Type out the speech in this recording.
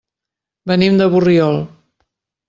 Venim de Borriol.